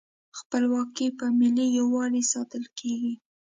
خپلواکي په ملي یووالي ساتل کیږي.